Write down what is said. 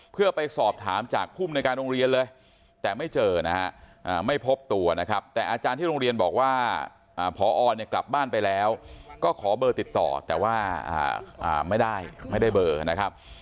เพื่อไปสอบถามจากภูมิในการโรงเรียนเลยแต่ไม่เจอนะฮะไม่พบตัวนะครับแต่อาจารย์ที่โรงเรียนบอกว่าพอเนี่ยกลับบ้านไปแล้วก็ขอเบอร์ติดต่อแต่ว่าไม่ได้ไม่ได้เบอร์นะครับ